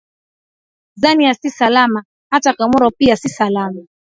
zania si salama hata comoro pia si salama